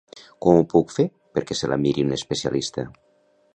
Com ho puc fer perquè se la miri un especialista?